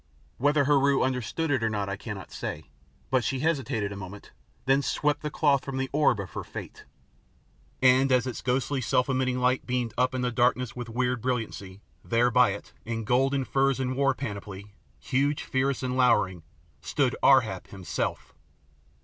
Whether Heru understood it or not I cannot say, but she hesitated a moment, then swept the cloth from the orb of her fate. And as its ghostly, self emitting light beamed up in the darkness with weird brilliancy, there by it, in gold and furs and war panoply, huge, fierce, and lowering, stood AR HAP HIMSELF!